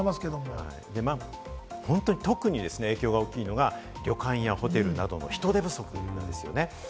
本当に特に影響が大きいのが、旅館やホテルなどの人手不足なんですよね。